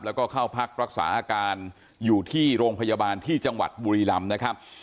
แล้วก็เข้าพักรักษาอาการอยู่ที่โรงพยาบาลที่จังหวัดบุรีรำนะครับ